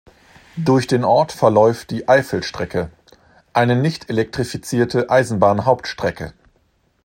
Durch den Ort verläuft die Eifelstrecke, eine nicht elektrifizierte Eisenbahnhauptstrecke.